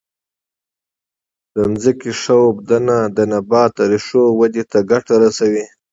د ځمکې ښه اوبدنه د نبات د ریښو ودې ته ګټه رسوي.